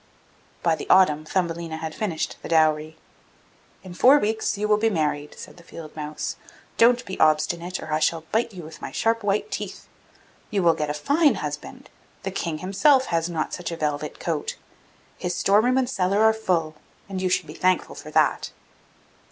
By the autumn Thumbelina had finished the dowry. 'In four weeks you will be married!' said the field mouse; 'don't be obstinate, or I shall bite you with my sharp white teeth! You will get a fine husband! The King himself has not such a velvet coat. His store room and cellar are full, and you should be thankful for that.